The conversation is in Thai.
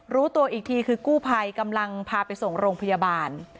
รู้ตัวอีกทีคือกู้ภัยกำลังพาไปส่งโรงพยาบาล